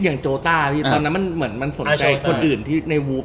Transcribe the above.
อย่างโจต้าพี่ตอนนั้นมันสนใจคนอื่นในวูฟ